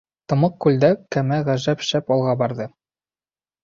Тымыҡ күлдә кәмә ғәжәп шәп алға барҙы.